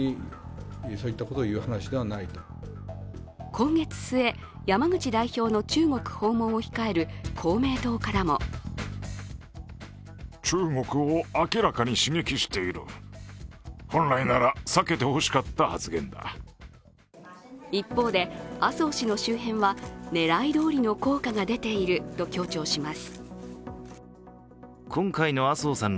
今月末、山口代表の中国訪問を控える公明党からも一方で、麻生氏の周辺は、狙いどおりの効果が出ていると強調します。